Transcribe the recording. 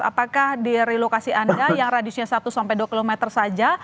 apakah di relokasi anda yang radiusnya satu sampai dua km saja